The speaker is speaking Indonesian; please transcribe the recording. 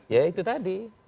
ya itu tadi